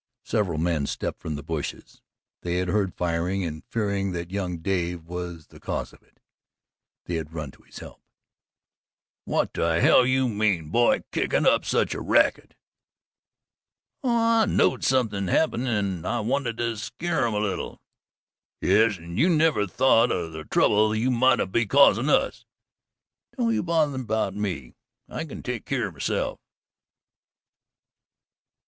Several men stepped from the bushes they had heard firing and, fearing that young Dave was the cause of it, they had run to his help. "What the hell you mean, boy, kickin' up such a racket?" "Oh, I knowed somethin'd happened an' I wanted to skeer 'em a leetle." "Yes, an' you never thought o' the trouble you might be causin' us." "Don't you bother about me. I can take keer o' myself."